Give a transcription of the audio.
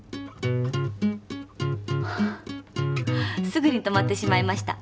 すぐに止まってしまいました。